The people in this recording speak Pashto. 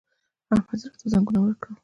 احمد زړه ته زنګنونه ورکړل!